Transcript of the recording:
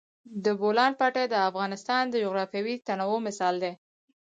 د بولان پټي د افغانستان د جغرافیوي تنوع مثال دی.